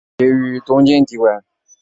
宇山兵士毕业于东京帝国大学。